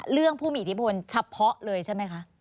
เรื่องภูมิอิทธิพลชัดเพาะเลยใช่ไหมคะ